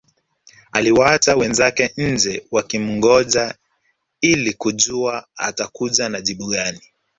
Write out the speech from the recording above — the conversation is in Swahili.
Aliwaacha wenzake nje wakimngoja ili kujua atakuja na jibu gani